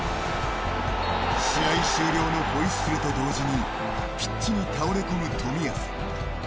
試合終了のホイッスルと同時にピッチに倒れ込む冨安。